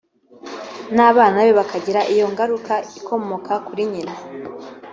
n’ abana be bakagira iyo ngaruka ikomoka kuri nyina